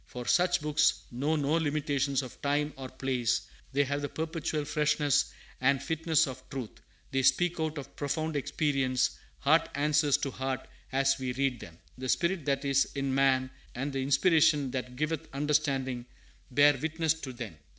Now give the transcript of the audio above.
For such books know no limitations of time or place; they have the perpetual freshness and fitness of truth; they speak out of profound experience heart answers to heart as we read them; the spirit that is in man, and the inspiration that giveth understanding, bear witness to them.